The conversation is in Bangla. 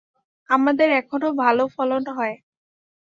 আমাদের এখনো ভালো ফলন হয়।